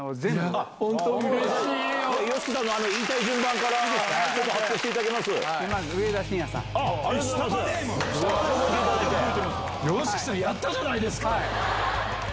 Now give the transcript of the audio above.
ＹＯＳＨＩＫＩさん、やったじゃないですか。